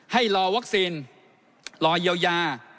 ให้รอวัคซีนรอเยียวยา